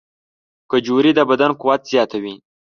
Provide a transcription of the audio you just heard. کجورې د بدن قوت زیاتوي.